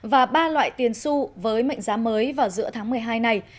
và ba loại tiền su với mệnh giá mới vào giữa tháng một mươi hai này